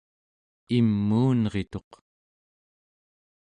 imuunrituq